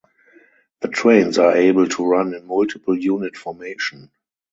The trains are able to run in multiple unit formation.